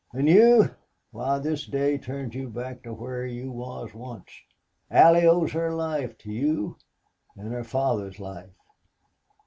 An' you why this day turns you back to whar you was once.... Allie owes her life to you an' her father's life.